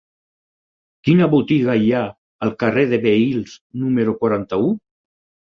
Quina botiga hi ha al carrer de Vehils número quaranta-u?